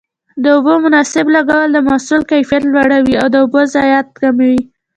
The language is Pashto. د اوبو مناسب لګول د محصول کیفیت لوړوي او د اوبو ضایعات کموي.